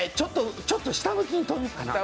ちょっと下向きに飛ぶかな。